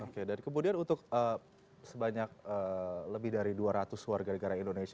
oke dan kemudian untuk sebanyak lebih dari dua ratus warga negara indonesia